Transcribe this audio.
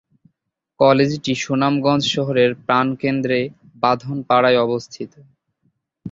কলেজটি সুনামগঞ্জ শহরের প্রাণকেন্দ্র বাঁধনপাড়ায় অবস্থিত।